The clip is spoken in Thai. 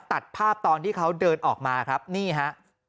ตัดภาพตอนที่เขาเดินออกมาครับนี่ฮะ